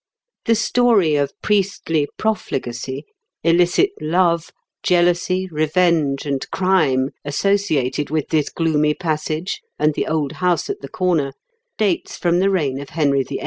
The story of priestly profligacy, illicit love, jealousy, revenge, and crime associated with this gloomy passage and the old house at the corner, dates from the reign of Henry VHI.